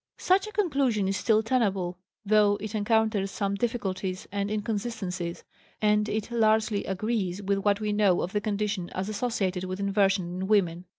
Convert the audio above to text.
Such a conclusion is still tenable, though it encounters some difficulties and inconsistencies, and it largely agrees with what we know of the condition as associated with inversion in women.